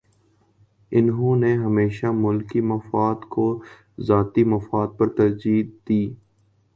انہوں نے ہمیشہ ملکی مفاد کو ذاتی مفاد پر ترجیح دی